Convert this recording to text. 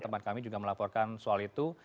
teman kami juga melaporkan soal itu